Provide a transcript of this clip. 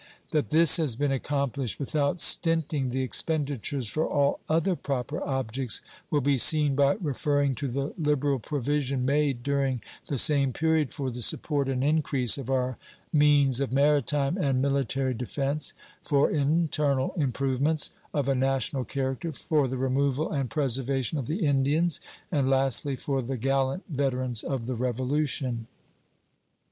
That this has been accomplished without stinting the expenditures for all other proper objects will be seen by referring to the liberal provision made during the same period for the support and increase of our means of maritime and military defense, for internal improvements of a national character, for the removal and preservation of the Indians, and, lastly, for the gallant veterans of the Revolution.